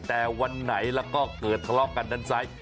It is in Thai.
แต่วันไหนแล้วก็เกิดทะเลาะกันด้านซ้าย